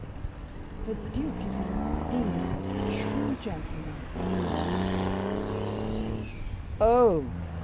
'" "The duke is, indeed, a true gentleman." "Oh!